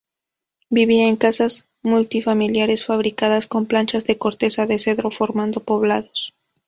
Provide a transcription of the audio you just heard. Vivían en casas multifamiliares fabricadas con planchas de corteza de cedro, formando poblados.